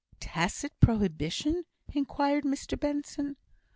"Tacit prohibition?" inquired Mr Benson.